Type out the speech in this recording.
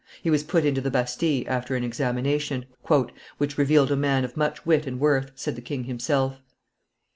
He was put into the Bastille, after an examination "which revealed a man of much wit and worth," said the king himself.